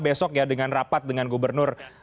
besok ya dengan rapat dengan gubernur